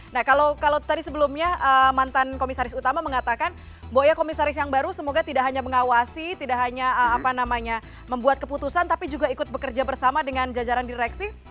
nah kalau tadi sebelumnya mantan komisaris utama mengatakan bahwa ya komisaris yang baru semoga tidak hanya mengawasi tidak hanya membuat keputusan tapi juga ikut bekerja bersama dengan jajaran direksi